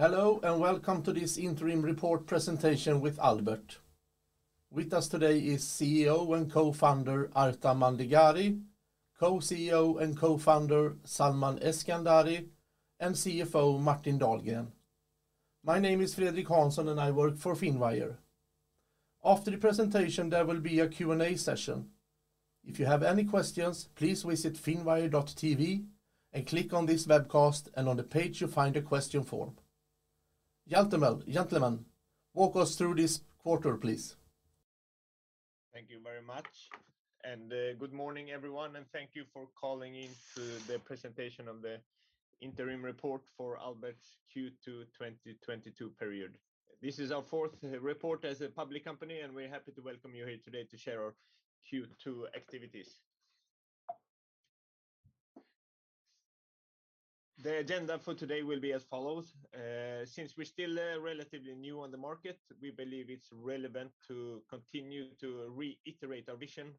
Hello, and welcome to this interim report presentation with Albert. With us today is CEO and co-founder Arta Mandegari, co-CEO and co-founder Salman Eskandari, and CFO Martin Dahlgren. My name is Fredrik Hansson, and I work for Finwire. After the presentation, there will be a Q&A session. If you have any questions, please visit finwire.tv and click on this webcast, and on the page you'll find a question form. Gentlemen, walk us through this quarter, please. Thank you very much. Good morning everyone, and thank you for calling in to the presentation of the interim report for Albert's Q2 2022 period. This is our fourth report as a public company, and we're happy to welcome you here today to share our Q2 activities. The agenda for today will be as follows. Since we're still relatively new on the market, we believe it's relevant to continue to reiterate our vision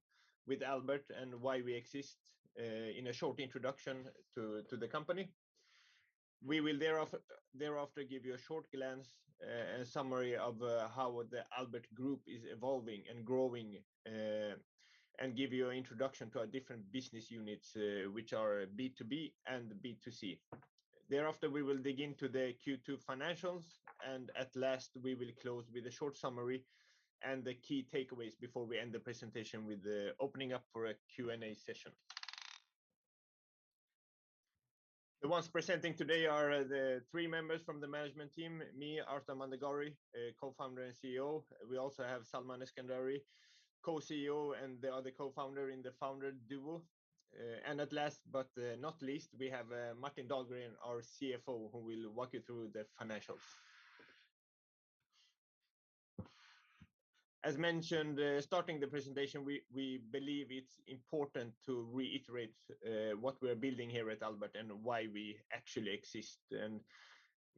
with Albert and why we exist in a short introduction to the company. We will thereafter give you a short glance and summary of how the Albert Group is evolving and growing, and give you an introduction to our different business units, which are B2B and B2C. Thereafter, we will dig into the Q2 financials, and at last, we will close with a short summary and the key takeaways before we end the presentation with opening up for a Q&A session. The ones presenting today are the three members from the management team, me, Arta Mandegari, co-founder and CEO. We also have Salman Eskandari, co-CEO, and the other co-founder in the founder duo. At last, but not least, we have Martin Dahlgren, our CFO, who will walk you through the financials. As mentioned, starting the presentation, we believe it's important to reiterate what we're building here at Albert and why we actually exist.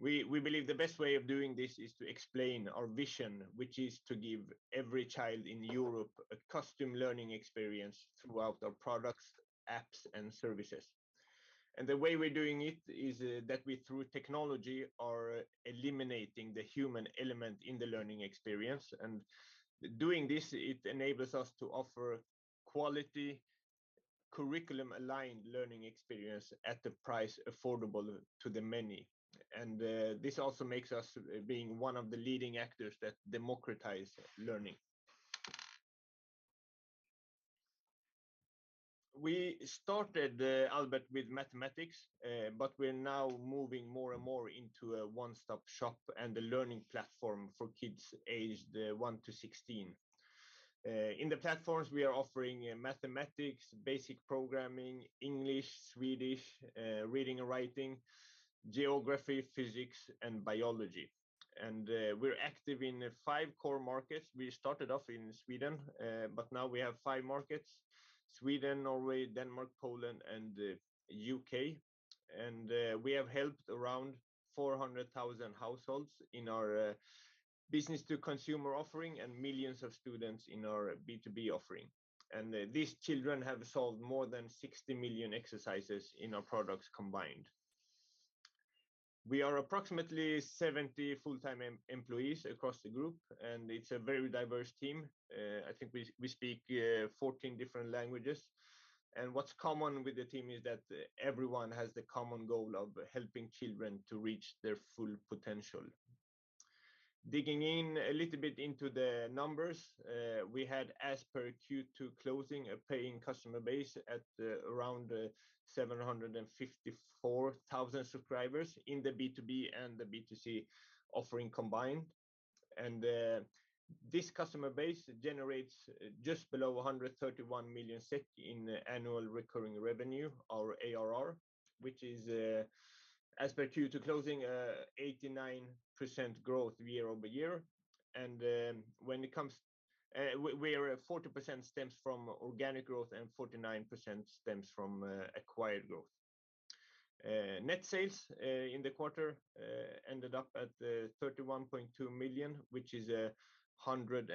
We believe the best way of doing this is to explain our vision, which is to give every child in Europe a custom learning experience throughout our products, apps, and services. The way we're doing it is that we, through technology, are eliminating the human element in the learning experience. Doing this, it enables us to offer quality, curriculum-aligned learning experience at the price affordable to the many. This also makes us being one of the leading actors that democratize learning. We started Albert with mathematics, but we're now moving more and more into a one-stop shop and the learning platform for kids aged one to 16. In the platforms, we are offering mathematics, basic programming, English, Swedish, reading and writing, geography, physics and biology. We're active in five core markets. We started off in Sweden, but now we have five markets, Sweden, Norway, Denmark, Poland, and U.K. We have helped around 400,000 households in our business-to-consumer offering and millions of students in our B2B offering. These children have solved more than 60 million exercises in our products combined. We are approximately 70 full-time employees across the group, and it's a very diverse team. I think we speak 14 different languages. What's common with the team is that everyone has the common goal of helping children to reach their full potential. Digging in a little bit into the numbers, we had, as per Q2 closing, a paying customer base at around 754,000 subscribers in the B2B and the B2C offering combined. This customer base generates just below 131 million SEK in annual recurring revenue or ARR, which is, as per Q2 closing, 89% growth year-over-year. Where 40% stems from organic growth and 49% stems from acquired growth. Net sales in the quarter ended up at 31.2 million, which is 102%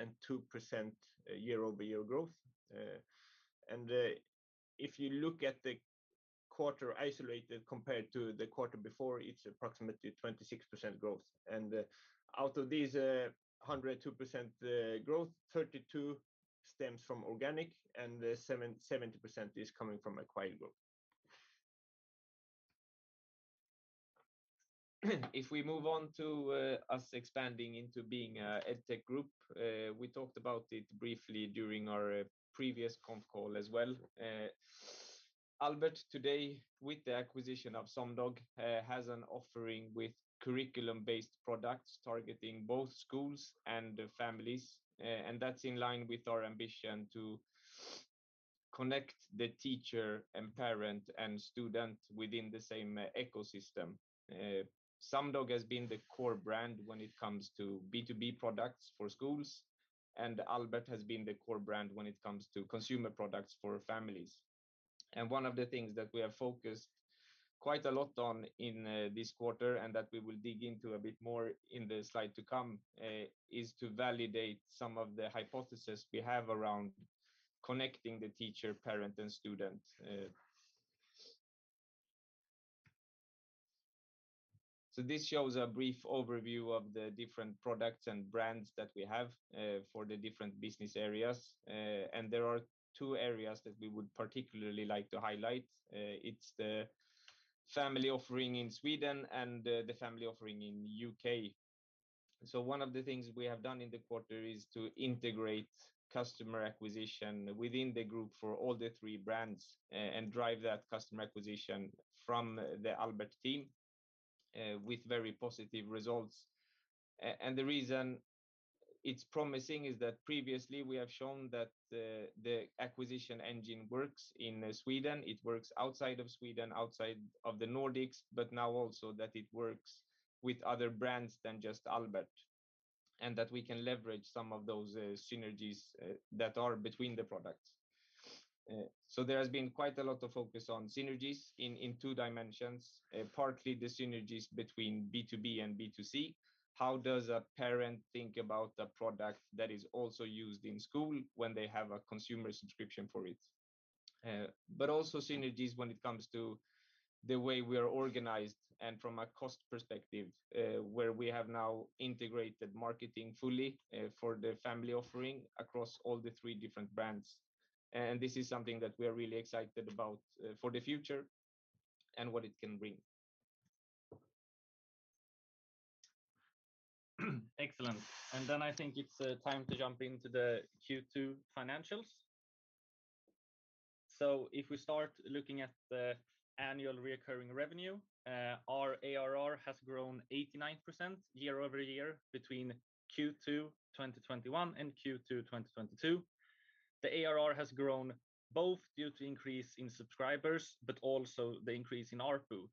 year-over-year growth. If you look at the quarter isolated compared to the quarter before, it's approximately 26% growth. Out of these 102% growth, 32% stems from organic, and 70% is coming from acquired growth. If we move on to us expanding into being a EdTech group, we talked about it briefly during our previous conf call as well. Albert today, with the acquisition of Sumdog, has an offering with curriculum-based products targeting both schools and families. That's in line with our ambition to connect the teacher and parent and student within the same ecosystem. Sumdog has been the core brand when it comes to B2B products for schools, and Albert has been the core brand when it comes to consumer products for families. One of the things that we have focused quite a lot on in this quarter, and that we will dig into a bit more in the slide to come, is to validate some of the hypothesis we have around Connecting the teacher, parent, and student. This shows a brief overview of the different products and brands that we have for the different business areas. There are two areas that we would particularly like to highlight. It's the family offering in Sweden and the family offering in U.K. One of the things we have done in the quarter is to integrate customer acquisition within the group for all the three brands and drive that customer acquisition from the Albert team with very positive results. The reason it's promising is that previously we have shown that the acquisition engine works in Sweden. It works outside of Sweden, outside of the Nordics, but now also that it works with other brands than just Albert, and that we can leverage some of those synergies that are between the products. There has been quite a lot of focus on synergies in two dimensions, partly the synergies between B2B and B2C. How does a parent think about a product that is also used in school when they have a consumer subscription for it? Also synergies when it comes to the way we are organized and from a cost perspective, where we have now integrated marketing fully, for the family offering across all the three different brands. This is something that we are really excited about, for the future and what it can bring. Excellent. I think it's time to jump into the Q2 financials. If we start looking at the annual recurring revenue, our ARR has grown 89% year-over-year between Q2 2021 and Q2 2022. The ARR has grown both due to increase in subscribers, but also the increase in ARPU.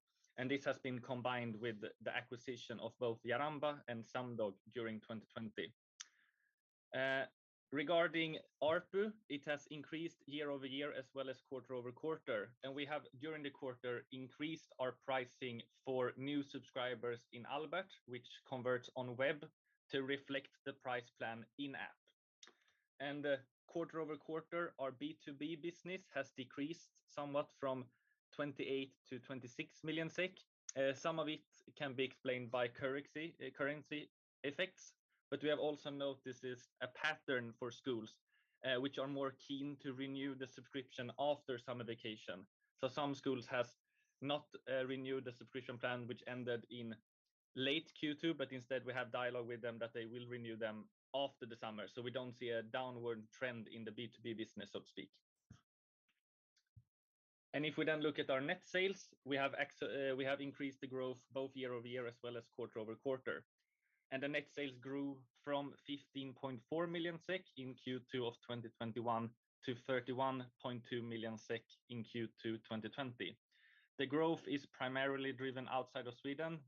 This has been combined with the acquisition of both Jaramba and Sumdog during 2020. Regarding ARPU, it has increased year-over-year as well as quarter-over-quarter. We have, during the quarter, increased our pricing for new subscribers in Albert, which converts on web to reflect the price plan in-app. Quarter-over-quarter, our B2B business has decreased somewhat from 28 million to 26 million. Some of it can be explained by currency effects, but we have also noticed this as a pattern for schools, which are more keen to renew the subscription after summer vacation. Some schools has not renewed the subscription plan which ended in late Q2, but instead we have dialogue with them that they will renew them after the summer. We don't see a downward trend in the B2B business, so to speak. If we then look at our net sales, we have increased the growth both year-over-year as well as quarter-over-quarter. The net sales grew from 15.4 million SEK in Q2 of 2021 to 31.2 million SEK in Q2 2020. The growth is primarily driven outside of Sweden,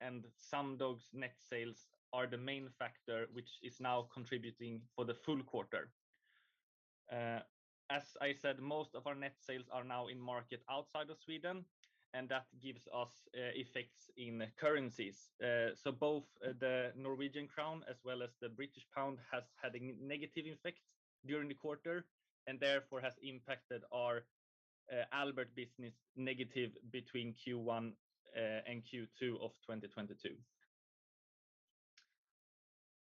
and Sumdog's net sales are the main factor which is now contributing for the full quarter. As I said, most of our net sales are now in market outside of Sweden, and that gives us effects in currencies. Both the Norwegian crown as well as the British pound has had a negative effect during the quarter, and therefore has impacted our Albert business negatively between Q1 and Q2 of 2022.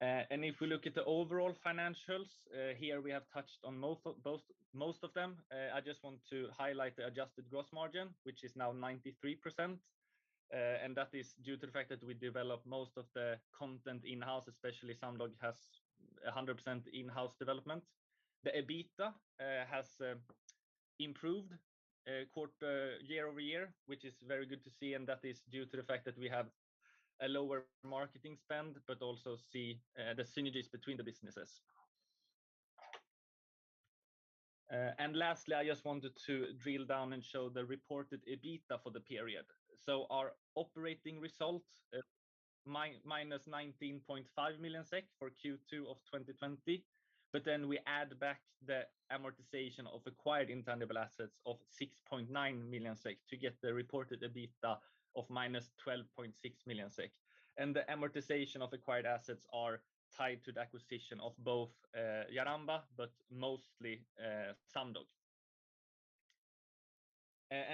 If we look at the overall financials, here we have touched on most of them. I just want to highlight the adjusted gross margin, which is now 93%. That is due to the fact that we develop most of the content in-house, especially Sumdog has 100% in-house development. The EBITDA has improved year-over-year, which is very good to see, and that is due to the fact that we have a lower marketing spend, but also see the synergies between the businesses. Lastly, I just wanted to drill down and show the reported EBITDA for the period. Our operating result -19.5 million SEK for Q2 of 2020, but then we add back the amortization of acquired intangible assets of 6.9 million SEK to get the reported EBITDA of -12.6 million SEK. The amortization of acquired assets are tied to the acquisition of both Jaramba, but mostly Sumdog.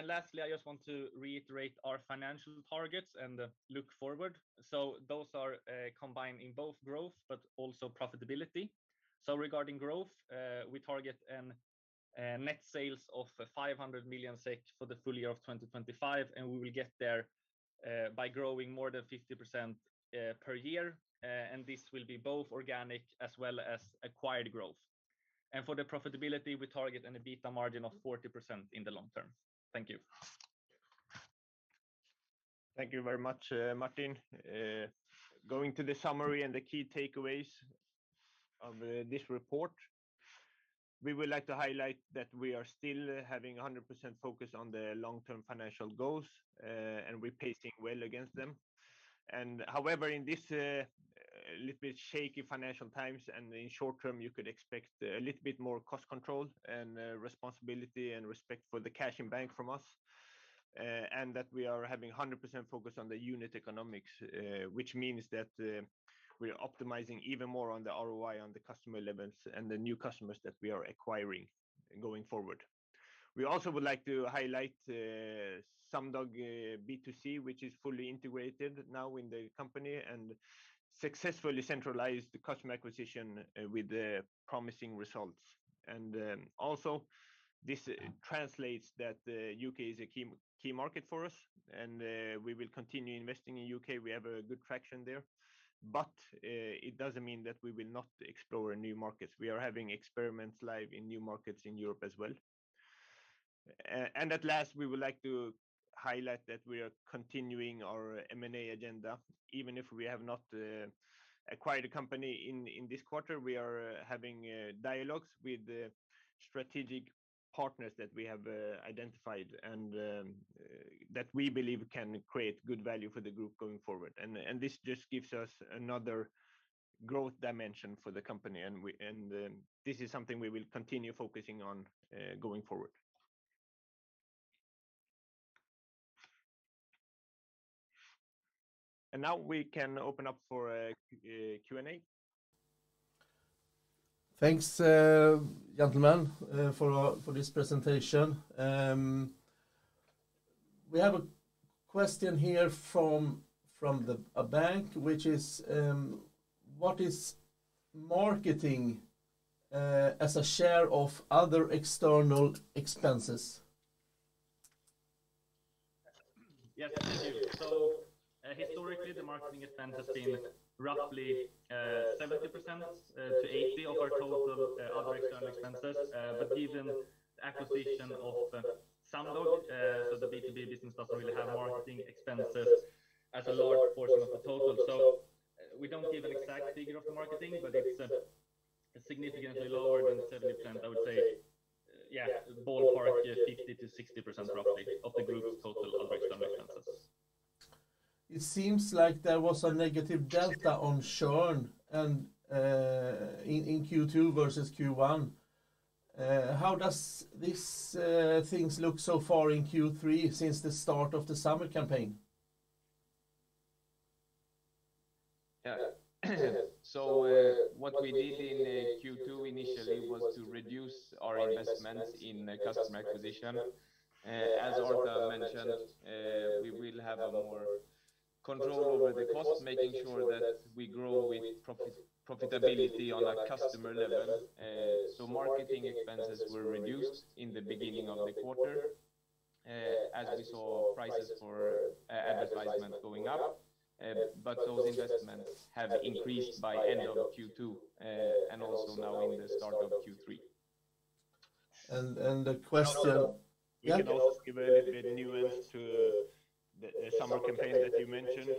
Lastly, I just want to reiterate our financial targets and look forward. Those are combined in both growth but also profitability. Regarding growth, we target net sales of 500 million SEK for the full year of 2025, and we will get there by growing more than 50% per year. This will be both organic as well as acquired growth. For the profitability, we target an EBITDA margin of 40% in the long term. Thank you. Thank you very much, Martin. Going to the summary and the key takeaways of this report. We would like to highlight that we are still having a 100% focus on the long-term financial goals, and we're pacing well against them. However, in this little bit shaky financial times, and in short term, you could expect a little bit more cost control and responsibility and respect for the cash in bank from us. That we are having 100% focus on the unit economics, which means that we are optimizing even more on the ROI on the customer levels and the new customers that we are acquiring going forward. We also would like to highlight Sumdog B2C, which is fully integrated now in the company and successfully centralized the customer acquisition with the promising results. This translates that the U.K. is a key market for us and we will continue investing in U.K. We have a good traction there. It doesn't mean that we will not explore new markets. We are having experiments live in new markets in Europe as well. At last, we would like to highlight that we are continuing our M&A agenda. Even if we have not acquired a company in this quarter, we are having dialogues with the strategic partners that we have identified and that we believe can create good value for the group going forward. This just gives us another growth dimension for the company. This is something we will continue focusing on going forward. Now we can open up for Q&A. Thanks, gentlemen, for this presentation. We have a question here from a bank, which is what is marketing as a share of other external expenses? Yes, thank you. Historically, the marketing expense has been roughly 70% to 80% of our total other external expenses. Given the acquisition of Sumdog, so the B2B business doesn't really have marketing expenses as a large portion of the total. We don't give an exact figure of the marketing, but it's significantly lower than 70%, I would say. Yeah, ballpark 50%-60% roughly of the group's total other external expenses. It seems like there was a negative delta on churn and in Q2 versus Q1. How does this things look so far in Q3 since the start of the summer campaign? Yeah. What we did in Q2 initially was to reduce our investments in customer acquisition. As Arta mentioned, we will have more control over the cost, making sure that we grow with profitability on a customer level. Marketing expenses were reduced in the beginning of the quarter, as we saw prices for advertisement going up. Those investments have increased by end of Q2, and also now in the start of Q3. And, and the question- We can also give a little bit nuance to the summer campaign that you mentioned.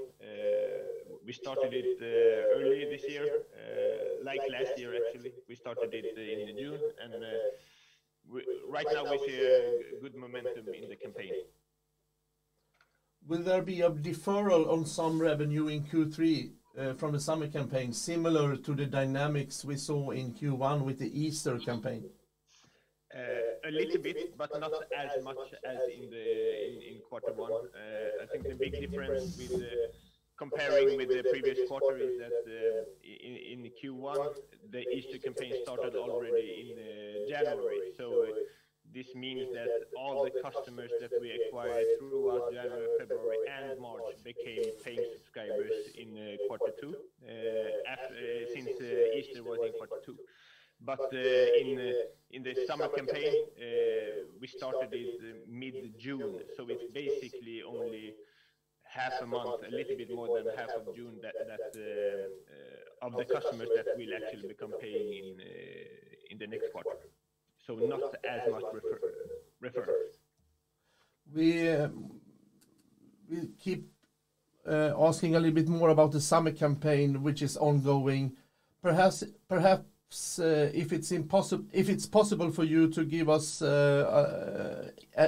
We started it early this year, like last year, actually. We started it in June, and right now we see a good momentum in the campaign. Will there be a deferral on some revenue in Q3, from the summer campaign similar to the dynamics we saw in Q1 with the Easter campaign? A little bit, but not as much as in quarter one. I think the big difference comparing with the previous quarter is that, in Q1, the Easter campaign started already in January. This means that all the customers that we acquired throughout January, February, and March became paying subscribers in quarter two, since Easter was in quarter two. In the summer campaign, we started it mid-June, so it's basically only half a month, a little bit more than half of June that of the customers that will actually become paying in the next quarter. Not as much referrals. We'll keep asking a little bit more about the summer campaign, which is ongoing. Perhaps, if it's possible for you to give us,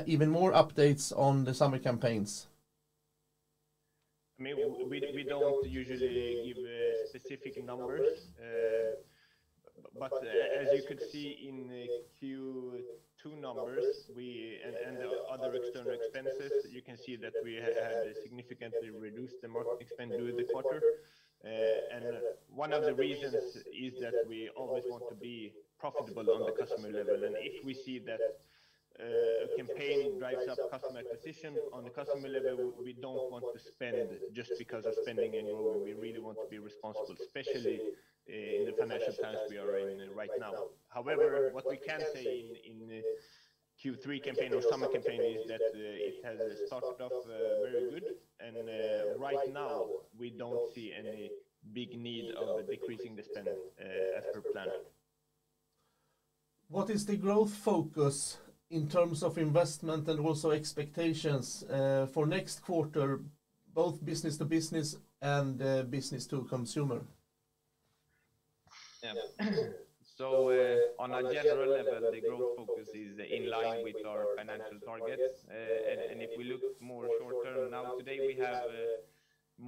even more updates on the summer campaigns. I mean, we don't usually give specific numbers. But as you could see in the Q2 numbers and the other external expenses, you can see that we had significantly reduced the market spend during the quarter. One of the reasons is that we always want to be profitable on the customer level. If we see that a campaign drives up customer acquisition on the customer level, we don't want to spend just because of spending anymore. We really want to be responsible, especially in the financial times we are in right now. However, what we can say in the Q3 campaign or summer campaign is that it has started off very good. Right now we don't see any big need of decreasing the spend as per planned. What is the growth focus in terms of investment and also expectations for next quarter, both business-to-business and business-to-consumer? On a general level, the growth focus is in line with our financial targets. If we look more short term now today, we have,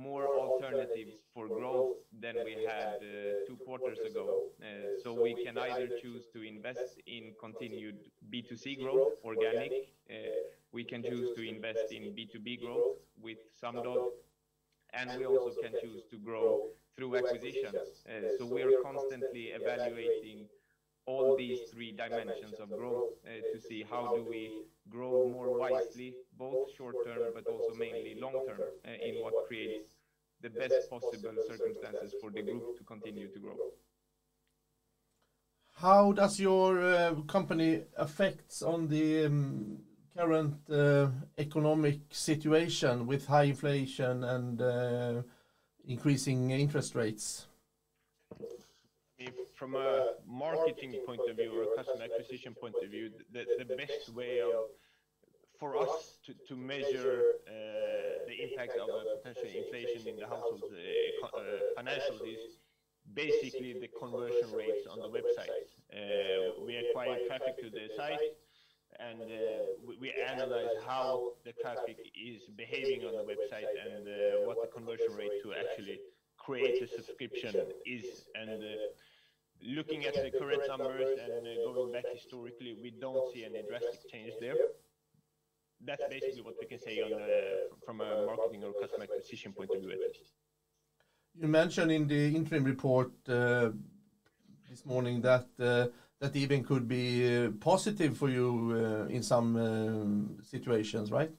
More alternatives for growth than we had two quarters ago. We can either choose to invest in continued B2C growth, organic. We can choose to invest in B2B growth with Sumdog, and we also can choose to grow through acquisitions. We are constantly evaluating all these three dimensions of growth to see how do we grow more wisely, both short-term, but also mainly long-term, in what creates the best possible circumstances for the group to continue to grow. How does your company affect the current economic situation with high inflation and increasing interest rates? If from a marketing point of view or a customer acquisition point of view, the best way for us to measure the impact of a potential inflation in the household's financials is basically the conversion rates on the website. We acquire traffic to the site, and we analyze how the traffic is behaving on the website and what the conversion rate to actually create a subscription is. Looking at the current numbers and going back historically, we don't see any drastic change there. That's basically what we can say from a marketing or customer acquisition point of view at least. You mentioned in the interim report this morning that even could be positive for you in some situations, right?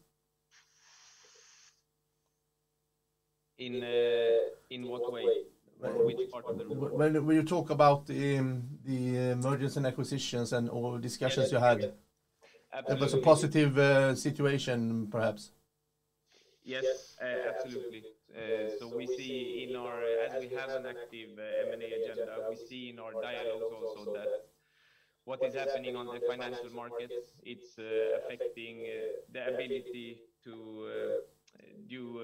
In what way? Which part of the world? When you talk about the mergers and acquisitions or discussions you had? Absolutely. It was a positive situation perhaps. Yes, absolutely. As we have an active M&A agenda, we see in our dialogues also that what is happening on the financial markets, it's affecting the ability to do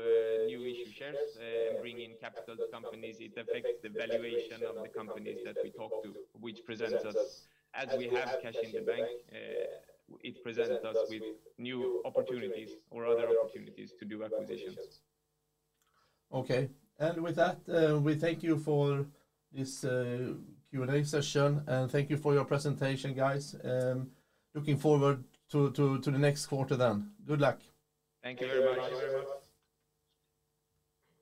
new issue shares and bring in capital to companies. It affects the valuation of the companies that we talk to. As we have cash in the bank, it presents us with new opportunities or other opportunities to do acquisitions. Okay. With that, we thank you for this Q&A session, and thank you for your presentation, guys. Looking forward to the next quarter then. Good luck. Thank you very much.